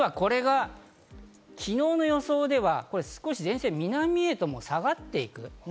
実はこれが昨日の予想では少し前線は南へと下がっていく。